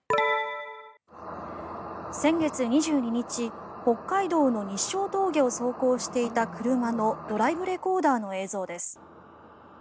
先月２２日北海道の日勝峠を走行していた車のドライブレコーダーの映像です。